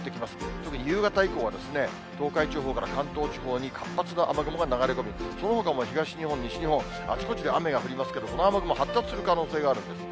特に夕方以降は、東海地方から関東地方に活発な雨雲が流れ込み、そのほかも東日本、西日本、あちこちで雨が降りますけど、この雨雲、発達する可能性があるんです。